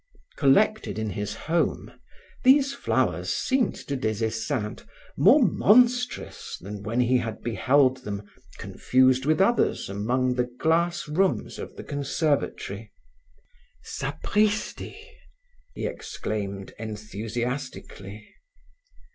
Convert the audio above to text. Collected in his home, these flowers seemed to Des Esseintes more monstrous than when he had beheld them, confused with others among the glass rooms of the conservatory. "Sapristi!" he exclaimed enthusiastically.